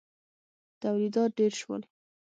تولیدات ډېر شول.